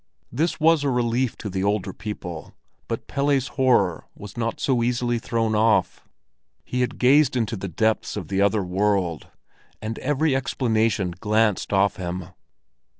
This was a relief to the older people, but Pelle's horror was not so easily thrown off. He had gazed into the depths of the other world, and every explanation glanced off him.